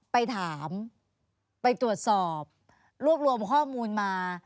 ไปถามไปตรวจสอบรวบรวมข้อมูลมา